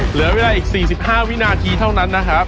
เหลือเวลาอีก๔๕วินาทีเท่านั้นนะครับ